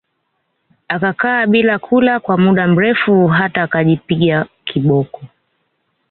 Akakaa bila kula kwa mda mrefu hata akajipiga kiboko